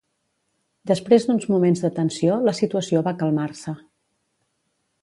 Després d’uns moments de tensió la situació va calmar-se.